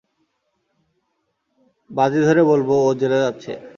বাজি ধরে বলবো ও জেলে যাচ্ছে।